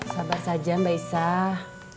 sabar saja mbak isah